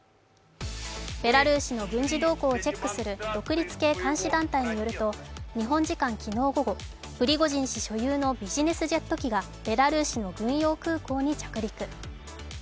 ベラルーシの軍事動向をチェックする独立系監視団体によると日本時間昨日午後、プリゴジン氏所有のビジネスジェット機がベラルーシの軍用空港に着陸。